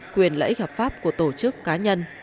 quyền lợi ích hợp pháp của tổ chức cá nhân